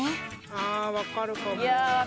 あわかるかも・